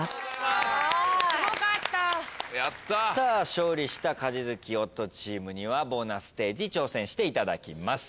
勝利した家事好き夫チームにはボーナスステージ挑戦していただきます。